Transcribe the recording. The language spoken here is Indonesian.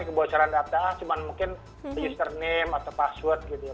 kebocoran data cuma mungkin the username atau password gitu ya